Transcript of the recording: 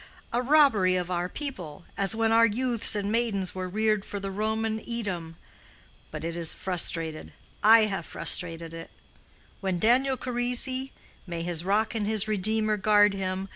"A robbery of our people—as when our youths and maidens were reared for the Roman Edom. But it is frustrated. I have frustrated it. When Daniel Charisi—may his Rock and his Redeemer guard him!